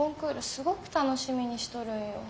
すごく楽しみにしとるんよ。